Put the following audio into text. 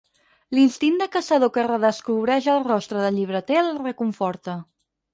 L'instint de caçador que redescobreix al rostre del llibreter el reconforta.